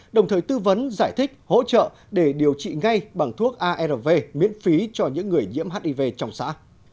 đồng thời tư vấn giải thích hỗ trợ để điều trị ngay bằng thuốc arv miễn phí cho những người nhiễm hiv trong xã